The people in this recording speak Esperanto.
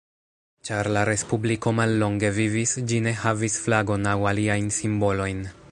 Ĉar la respubliko mallonge vivis, ĝi ne havis flagon aŭ aliajn simbolojn.